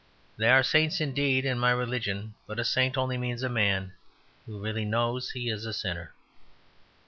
There are saints indeed in my religion: but a saint only means a man who really knows he is a sinner.